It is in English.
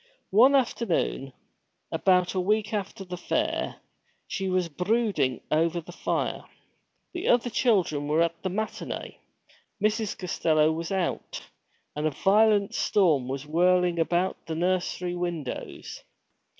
One afternoon, about a week after the fair, she was brooding over the fire. The other children were at the matinée, Mrs. Costello was out, and a violent storm was whirling about the nursery windows.